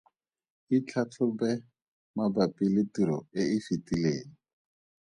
Itlhatlhobe mabapi le tiro e e fetileng.